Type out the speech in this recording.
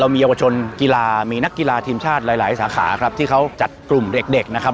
มีเยาวชนกีฬามีนักกีฬาทีมชาติหลายหลายสาขาครับที่เขาจัดกลุ่มเด็กนะครับ